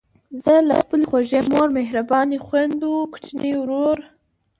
زه له خپلې خوږې مور، مهربانو خویندو، کوچني ورور،